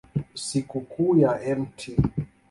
Sikukuu ya Mt.